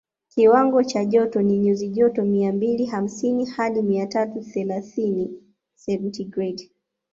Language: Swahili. Kiwango cha joto ni nyuzi joto mia mbili hamsini hadi mia tatu thelathini sentigredi